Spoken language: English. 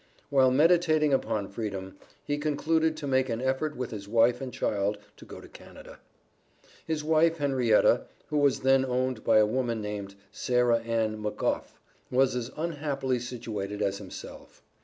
While meditating upon freedom, he concluded to make an effort with his wife and child to go to Canada. His wife, Henrietta, who was then owned by a woman named Sarah Ann McGough, was as unhappily situated as himself.